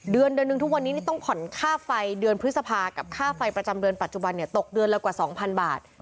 เดือนเดือนดนทุกวันนี้เดือนพฤษภากับค่าไฟประจำเดือนปัจจุบันเนี่ยตกเดือนละกว่า๒๐๐๐บาท